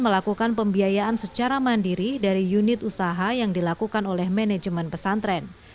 melakukan pembiayaan secara mandiri dari unit usaha yang dilakukan oleh manajemen pesantren